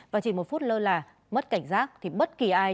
và chỉ một phút lơ là mất cảnh giác thì bất kỳ ai